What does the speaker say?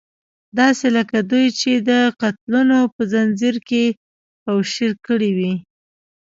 داسې لکه دوی چې هم د قتلونو په ځنځير کې کوشير کړې وي.